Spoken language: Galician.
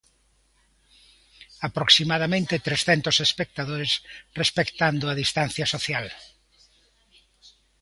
Aproximadamente trescentos espectadores respectando a distancia social.